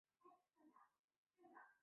掉落者无奖金可得。